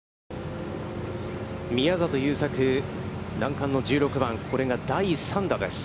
宮里優作、難関の１６番、これが第３打です。